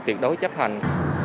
việc đối chấp hành